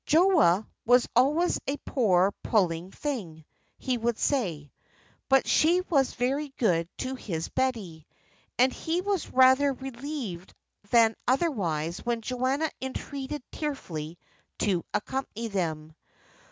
Joa was always a poor puling thing, he would say, but she was very good to his Betty. And he was rather relieved than otherwise when Joanna entreated tearfully to accompany them.